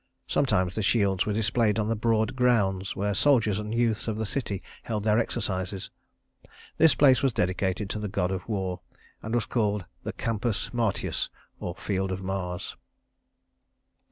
Sometimes the shields were displayed on the broad grounds where the soldiers and youths of the city held their exercises. This place was dedicated to the god of war, and was called the Campus Martius, or Field of Mars.